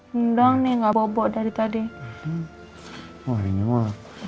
hendang nih gak bobot dari tadi